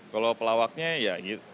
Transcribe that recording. kalau pelawaknya ya gitu